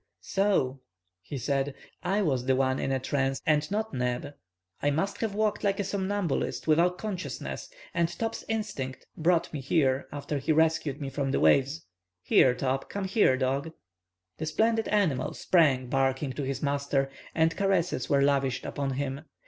"So," he said, "I was the one in a trance, and not Neb! I must have walked like a somnambulist, without consciousness, and Top's instinct brought me here after he rescued me from the waves. Here, Top. Come here, dog." The splendid animal sprang, barking, to his master, and caresses were lavished upon him.